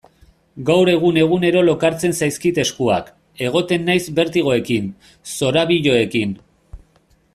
Gaur egun egunero lokartzen zaizkit eskuak, egoten naiz bertigoekin, zorabioekin...